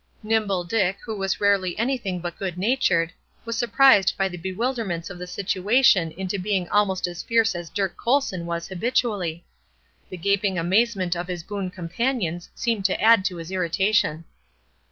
Nimble Dick, who was rarely anything but good natured, was surprised by the bewilderments of the situation into being almost as fierce as Dirk Colson was habitually; the gaping amazement of his boon companions seeming to add to his irritation.